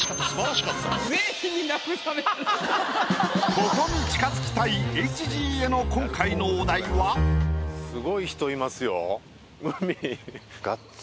ここに近づきたいＨＧへのすごい人いますよ。